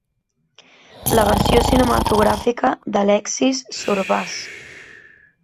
La versió cinematogràfica d'"Alexis Zorbàs".